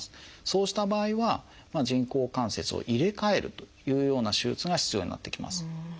そうした場合は人工関節を入れ替えるというような手術が必要になってきます。